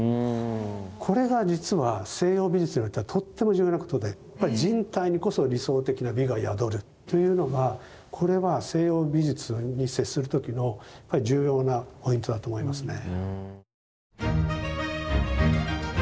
これが実は西洋美術においてはとっても重要なことでやっぱり人体にこそ理想的な美が宿るというのがこれは西洋美術に接する時の重要なポイントだと思いますね。